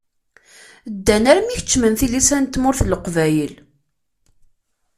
Ddan armi i kecmen tilisa n tmurt n Leqbayel.